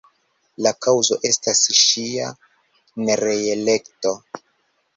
La kaŭzo estas ŝia nereelekto.